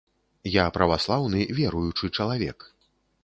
Я праваслаўны, веруючы чалавек.